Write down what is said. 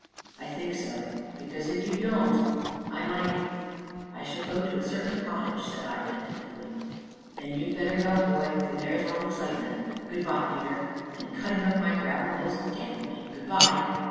"I think so " "Because, if you don't I might " "I shall go to a certain cottage," said I tentatively. "Then you'd better go, boy the mare's all excitement good by, Peter and cutting up my gravel most damnably good by!"